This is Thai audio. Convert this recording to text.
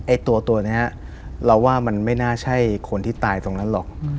ตัวนี้เราว่ามันไม่น่าใช่คนที่ตายตรงนั้นหรอก